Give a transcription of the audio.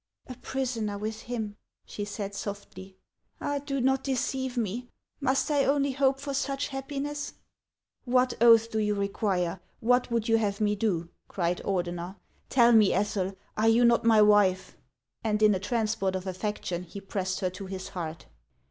"A prisoner with him!" she said softly. "Ah ! do not deceive me. Must I only hope for such happiness ?"" What oath do you require ? What would you have me do ?" cried Ordener ;" tell me, Ethel, are you not my HANS OF ICELAND. 59 wife ?" And in a transport of atlectiou he pressed her to his heart.